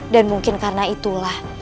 dan mungkin karena itulah